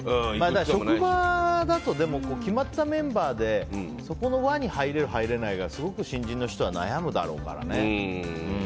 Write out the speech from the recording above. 職場だと決まったメンバーでそこの輪に入れる、入れないがすごく新人の人は悩むだろうね。